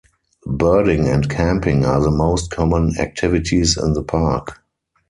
Birding and camping are the most common activities in the park.